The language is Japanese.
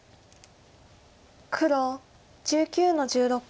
黒１９の十六。